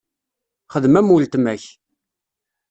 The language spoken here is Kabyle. Xdem am uletma-k.